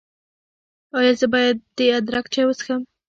ایا زه باید د ادرک چای وڅښم؟